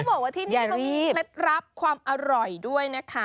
บอกว่าที่นี่เขามีเคล็ดลับความอร่อยด้วยนะคะ